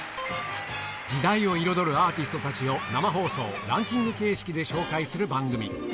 時代を彩るアーティストたちを、生放送、ランキング形式で紹介する番組。